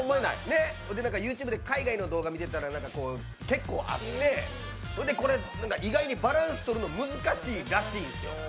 ＹｏｕＴｕｂｅで海外の動画とか見てたら結構あって意外にバランスとるのが難しいらしいんすよ。